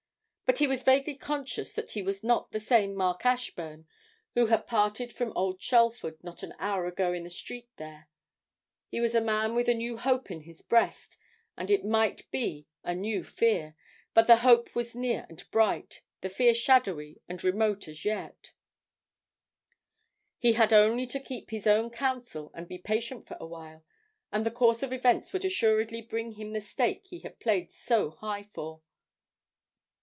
But he was vaguely conscious that he was not the same Mark Ashburn who had parted from old Shelford not an hour ago in the street there; he was a man with a new hope in his breast, and it might be a new fear, but the hope was near and bright, the fear shadowy and remote as yet: he had only to keep his own counsel and be patient for a while, and the course of events would assuredly bring him the stake he had played so high for.